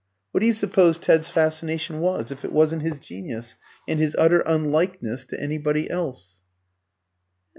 What do you suppose Ted's fascination was, if it wasn't his genius, and his utter unlikeness to anybody else?"